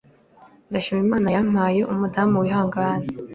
ndashimira Imana yampaye umudamu wihangana,